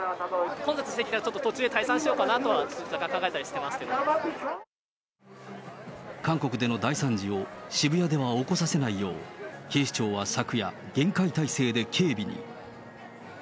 混雑してきたらちょっと途中で退散しようかなとは、若干考えたり韓国での大惨事を渋谷では起こさせないよう、警視庁は昨夜、厳戒態勢で警備に。